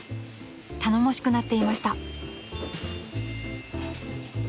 ［頼もしくなっていました］